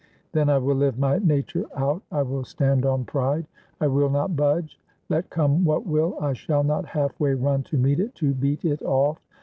Then I will live my nature out. I will stand on pride. I will not budge. Let come what will, I shall not half way run to meet it, to beat it off.